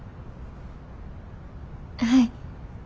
はい。